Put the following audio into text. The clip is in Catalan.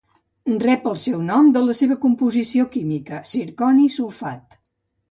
Rep el seu nom de la seva composició química: zirconi i sulfat.